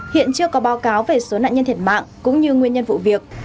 hiện chưa có báo cáo về số nạn nhân thiệt mạng cũng như nguyên nhân vụ việc